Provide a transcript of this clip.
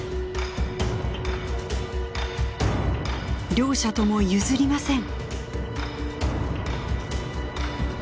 両者とも譲りません。